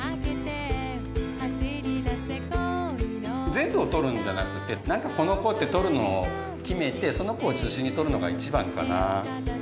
全部を撮るんじゃなくてこの子って撮るのを決めてその子を中心に撮るのがいちばんかな。